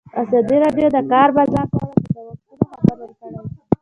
ازادي راډیو د د کار بازار په اړه د نوښتونو خبر ورکړی.